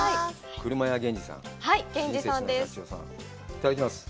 いただきます。